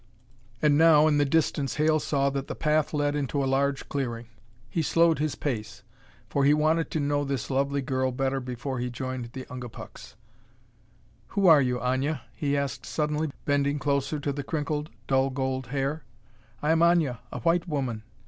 And now, in the distance, Hale saw that the path led into a large clearing. He slowed his pace, for he wanted to know this lovely girl better before he joined the Ungapuks. "Who are you, Aña?" he asked suddenly, bending closer to the crinkled, dull gold hair. "I am Aña, a white woman."